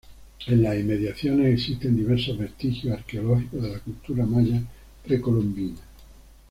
En las inmediaciones existen diversos vestigios arqueológicos de la cultura maya precolombina.